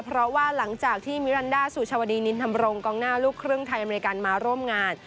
เพราะว่าหลังจากที่มิรันดาสุชาวดีนินธรรมรงกองหน้าลูกครึ่งไทยอเมริกันมาร่วมงาน